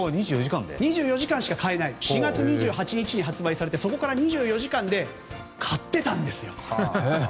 ２４時間しか買えない４月２４日に発売されてそこから２４時間で買っていたんです。